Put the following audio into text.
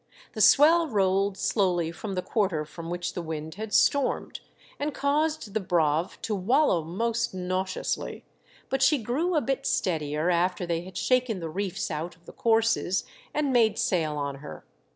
The swell rolled slowly from the quarter from which the wind had stormed, and caused the Braave to wallow most nauseously, but she grew a bit steadier after they had shaken the reefs out of the courses and made sail on her.